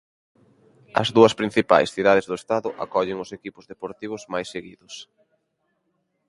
As dúas principais cidades do estado acollen os equipos deportivos máis seguidos.